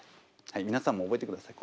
はい皆さんも覚えてください。